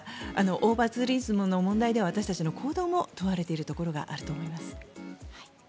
オーバーツーリズムの問題では私たちの行動も問われているところがあると思います。